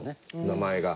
名前が。